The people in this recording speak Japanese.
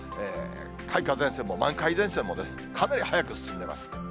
開花前線も満開前線もかなり早く進んでいます。